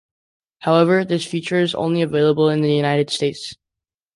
However, this feature is only available in the United States.